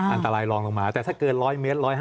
อันตรายลองลงมาแต่ถ้าเกิน๑๐๐เมตร๑๕